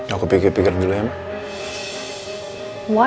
aku pikir pikir dulu ya ma